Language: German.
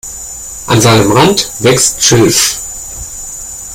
An seinem Rand wächst Schilf.